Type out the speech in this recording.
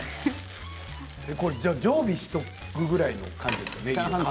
これじゃあ常備しておくぐらいの感じですか？